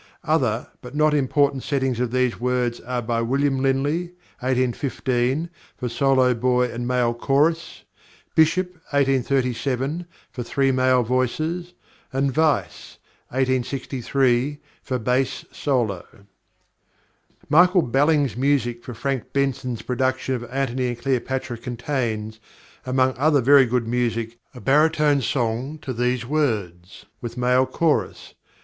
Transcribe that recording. Other but not important settings of these words are by William Linley, 1815, for solo boy and male chorus; Bishop, 1837, for three male voices; and Weiss, 1863, for bass solo. +Michael Balling's+ music for Frank Benson's production of Antony and Cleopatra contains, among other very good music, a baritone song to these words, with male chorus.